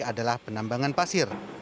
adalah penambangan pasir